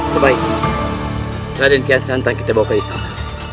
sebaiknya berikan kiasan yang kita bawa ke istana